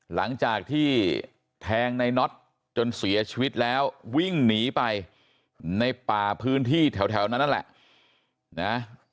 หลังจากที่แทงในน็อตจนเสียชีวิตแล้ววิ่งหนีไปในป่าพื้นที่แถวนั้นนั่นแหละนะ